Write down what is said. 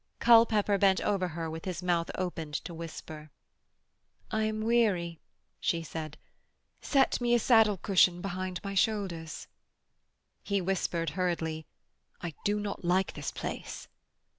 Culpepper bent over her with his mouth opened to whisper. 'I am weary,' she said. 'Set me a saddle cushion behind my shoulders.' He whispered hurriedly: 'I do not like this place.'